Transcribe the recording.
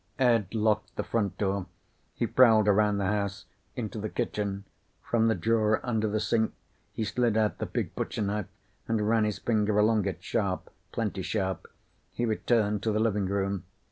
Ed locked the front door. He prowled around the house, into the kitchen. From the drawer under the sink he slid out the big butcher knife and ran his finger along it. Sharp. Plenty sharp. He returned to the living room.